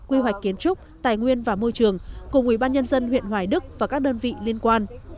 quy hoạch kiến trúc tài nguyên và môi trường cùng ủy ban nhân dân huyện hoài đức và các đơn vị liên quan